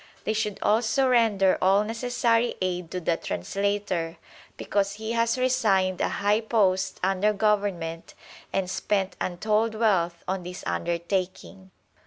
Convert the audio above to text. They should also render all necessary aid to the translator, because he has resigned a high post under Government and spent untold wealth on this undertaking.